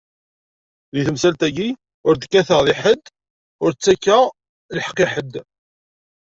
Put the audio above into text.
Di temsalt-agi, ur d-kkateɣ di ḥedd, ur ttakkeɣ lheqq i ḥedd.